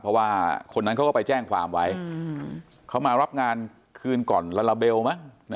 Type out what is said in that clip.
เพราะว่าคนนั้นเขาก็ไปแจ้งความไว้เขามารับงานคืนก่อนลาลาเบลมั้ง